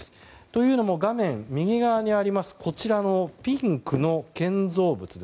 というのも、画面右側にあるこちらのピンクの建造物。